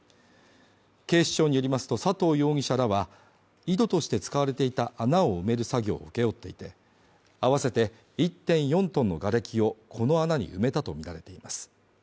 警視庁によりますと佐藤容疑者らは、井戸として使われていた穴を埋める作業を請け負っていてあわせて１．４ｔのがれきをこの穴に埋めたとみられています。